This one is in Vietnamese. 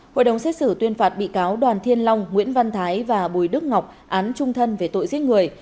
hội đồng xét xử tuyên phạt bị cáo đoàn thiên long nguyễn văn thái và bùi đức ngọc án trung thân về tội giết người